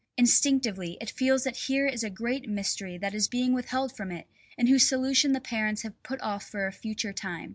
Instinctively it feels that here is a great mystery that is being withheld from it and whose solution the parents have put off for a future time.